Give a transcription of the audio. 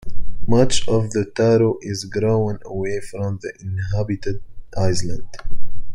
Much of the taro is grown away from the inhabited island.